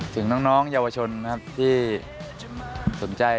ถึงน้องเยาวชนที่สนใจ